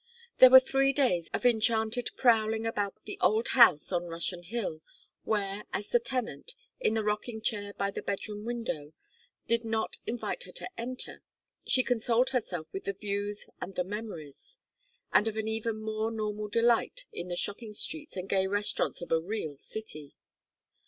There were three days of enchanted prowling about the old house on Russian Hill, where, as the tenant, in the rocking chair by the bedroom window, did not invite her to enter, she consoled herself with the views and the memories; and of an even more normal delight in the shopping streets and gay restaurants of a real city.